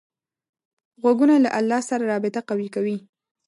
غوږونه له الله سره رابطه قوي کوي